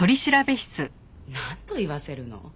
何度言わせるの？